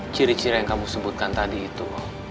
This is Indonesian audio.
ciri ciri yang kamu sebutkan tadi itu